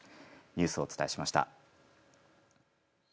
ニュースをお伝えしました。